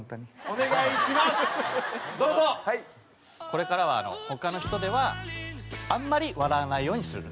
これからは他の人ではあんまり笑わないようにする。